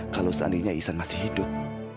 kalau seandainya ihsan masih hidup